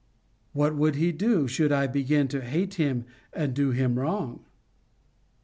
What would he do, should I begin to hate him and to do him wrong? 41.